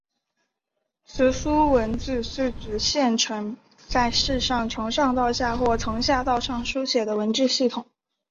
直书文字是指现存在世上从上到下或从下到上书写的文字系统。